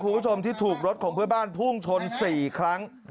คุณผู้ชมที่ถูกรถของเพื่อนบ้านพุ่งชน๔ครั้ง